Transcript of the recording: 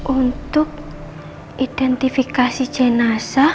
untuk identifikasi jenazah